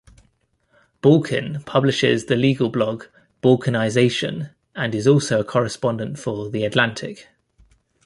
Balkin publishes the legal blog, Balkinization, and is also a correspondent for "The Atlantic".